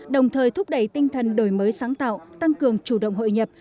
đồng thời thúc đẩy tinh thần đổi mới sáng tạo tăng cường chủ động hội nhập